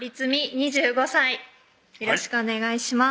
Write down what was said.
２５歳よろしくお願いします